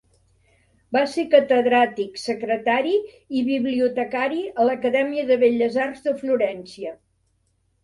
Va ser catedràtic, secretari i bibliotecari a l'Acadèmia de Belles Arts de Florència.